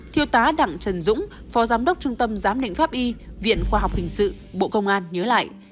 thiêu tá đặng trần dũng phó giám đốc trung tâm giám định pháp y viện khoa học hình sự bộ công an nhớ lại